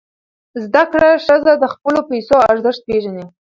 زده کړه ښځه د خپلو پیسو ارزښت پېژني.